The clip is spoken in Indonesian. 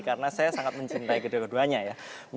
karena saya sangat mencintai kedua duanya ya